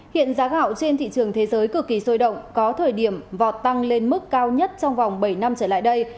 hiện giá gạo trên thị trường thế giới cực kỳ sôi động có thời điểm vọt tăng lên mức cao nhất trong vòng bảy năm trở lại đây